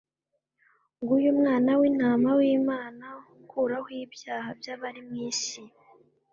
Nguyu Mwana wlntama wlmana ukurahw ibyaha byabari mw isi